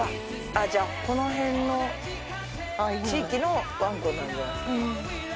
じゃあこのへんの地域のワンコなんじゃないですか。